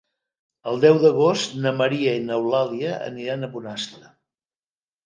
El deu d'agost na Maria i n'Eulàlia aniran a Bonastre.